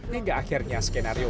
hingga akhirnya skenario